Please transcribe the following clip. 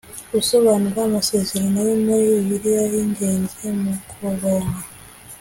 Gusobanura amasezerano yo muri Bibiliya y'ingenzi mu kuronka